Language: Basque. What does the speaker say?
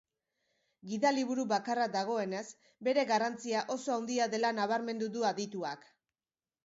Gidaliburu bakarra dagoenez, bere garrantzia oso handia dela nabarmendu du adituak.